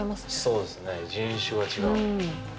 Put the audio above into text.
そうですね人種は違う。